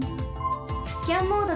スキャンモード